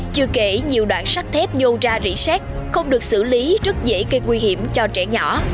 chưa kể nhiều đoạn sắt thép nhô ra rỉ xét không được xử lý rất dễ gây nguy hiểm cho trẻ nhỏ